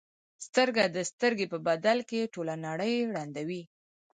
سترګه د سترګې په بدل کې ټوله نړۍ ړندوي.